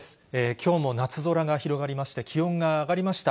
きょうも夏空が広がりまして、気温が上がりました。